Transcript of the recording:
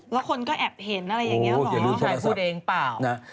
แล้วคนก็แอบเห็นอะไรอย่างนี้หรอน้องชายพูดเองเปล่า